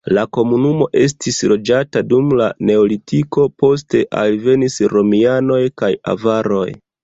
La komunumo estis loĝata dum la neolitiko, poste alvenis romianoj kaj avaroj.